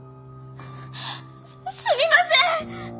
すみません！